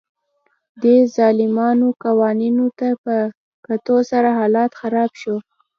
دې ظالمانه قوانینو ته په کتو سره حالت خراب شو